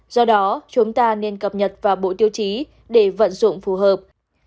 do đó chúng ta nên cập nhật vào bộ tiêu chí để vận dụng phù hợp